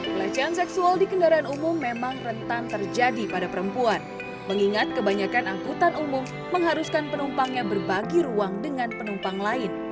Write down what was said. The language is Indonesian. pelecehan seksual di kendaraan umum memang rentan terjadi pada perempuan mengingat kebanyakan angkutan umum mengharuskan penumpangnya berbagi ruang dengan penumpang lain